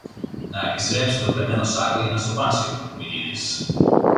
να επιστρέψει τον κλεμμένο σάκο, για να σωπάσει ο Κακομοιρίδης.